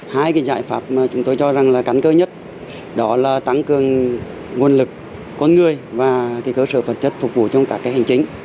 hai cái giải pháp mà chúng tôi cho rằng là cắn cơ nhất đó là tăng cường nguồn lực con người và cơ sở vật chất phục vụ trong các hành chính